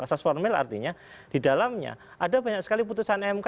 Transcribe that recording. asas formil artinya di dalamnya ada banyak sekali putusan mk